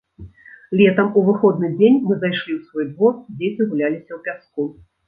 Летам, у выходны дзень мы зайшлі ў свой двор, дзеці гуляліся ў пяску.